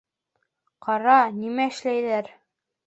Ҡара, нимә эшләйҙәр!